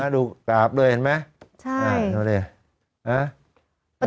ดูกราบด้วยเห็นไหมนี่ดูสิ